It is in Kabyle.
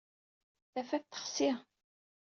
Tafat texsi.